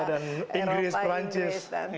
dan inggris perancis